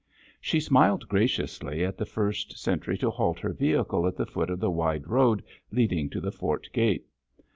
She smiled graciously at the first sentry to halt her vehicle at the foot of the wide road leading to the fort gate.